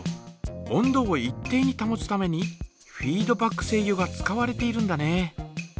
温度を一定にたもつためにフィードバック制御が使われているんだね。